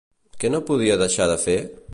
Què no podia deixar de fer?